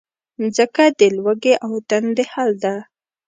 مځکه د لوږې او تندې حل ده.